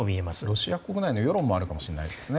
ロシア国内の世論もあるかもしれないですね。